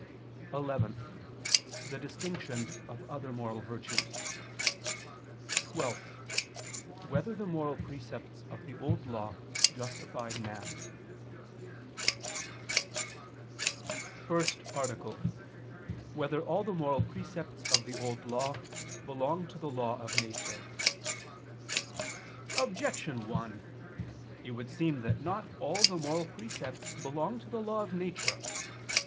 (11) The distinction of other moral precepts; (12) Whether the moral precepts of the Old Law justified man? ________________________ FIRST ARTICLE [I II, Q. 100, Art. 1] Whether All the Moral Precepts of the Old Law Belong to the Law of Nature? Objection 1: It would seem that not all the moral precepts belong to the law of nature.